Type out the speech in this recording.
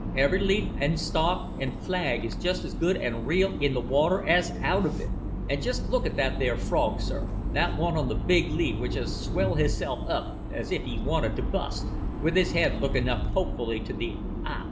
Every leaf, an' stalk, an' flag is just as good an' real in the water as out of it. An' just look at that there frog, sir, that one on the big leaf which has swelled hisself up as if he wanted to bust, with his head looking up hopefully to the ah!